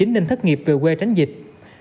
nên thất nghiệp về quê tránh dịch